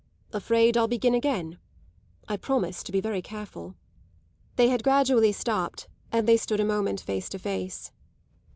"Afraid I'll begin again? I promise to be very careful." They had gradually stopped and they stood a moment face to face.